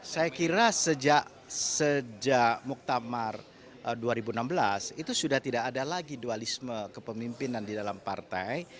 saya kira sejak muktamar dua ribu enam belas itu sudah tidak ada lagi dualisme kepemimpinan di dalam partai